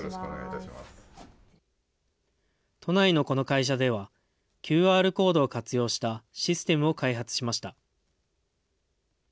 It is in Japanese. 都内のこの会社では、ＱＲコードを活用したシステムを開発しました。